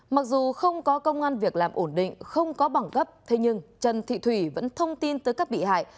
mặc dù không có công an việc làm ổn định không có bằng cấp thế nhưng trần thị thủy vẫn thông tin tới các bị hại